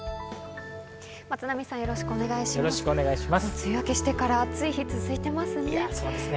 梅雨明けしてから暑い日、続いてますね。